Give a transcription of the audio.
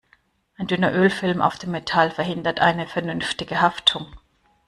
Ein dünner Ölfilm auf dem Metall verhindert eine vernünftige Haftung.